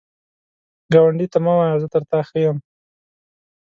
ګاونډي ته مه وایه “زه تر تا ښه یم”